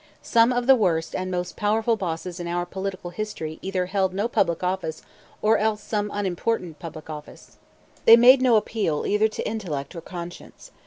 Some of the worst and most powerful bosses in our political history either held no public office or else some unimportant public office. They made no appeal either to intellect or conscience.